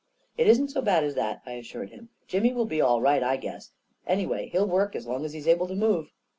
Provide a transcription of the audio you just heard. " It isn't so bad as that," I assured him. " Jimmy will be all right, I guess. Anyway, he'll work as long as he's able to move."